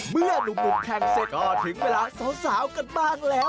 หนุ่มแข่งเสร็จก็ถึงเวลาสาวกันบ้างแล้ว